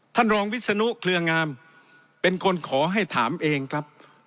ท่านรองวิศนุเครืองามเป็นคนขอให้ถามเองครับ